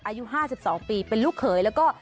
อายุ๕๒ปีเป็นลูกเขยแล้วก็